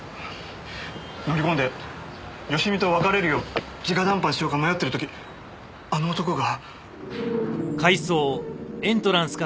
乗り込んで佳美と別れるよう直談判しようか迷ってる時あの男が。